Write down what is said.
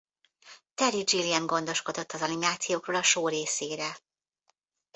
Terry Gilliam gondoskodott az animációkról a show részére.